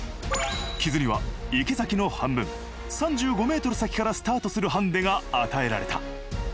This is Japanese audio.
木津には池崎の半分３５ｍ先からスタートするハンデが与えられた。